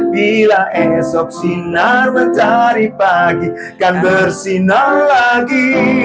bila esok sinar mencari pagi dan bersinar lagi